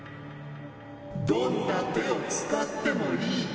どんな手を使ってもいい。